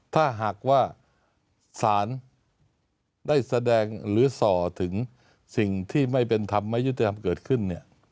ถ้าหากว่าสารได้แสดงหรือส่อถึงสิ่งที่ไม่เป็นธรรมไม่ยุติธรรมเกิดขึ้นเนี่ย